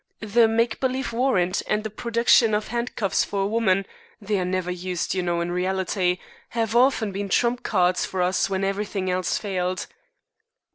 The make believe warrant and the production of handcuffs for a woman they are never used, you know, in reality have often been trump cards for us when everything else failed."